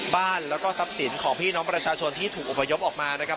บ้านแล้วก็ทรัพย์สินของพี่น้องประชาชนที่ถูกอพยพออกมานะครับ